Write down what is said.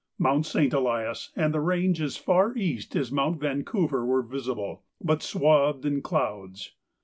Mount St. Elias and the range as far east as Mount Vancouver were visible, but swathed in clouds.